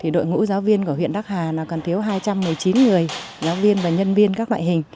đội ngũ giáo viên của huyện đắc hà còn thiếu hai trăm một mươi chín người giáo viên và nhân viên các loại hình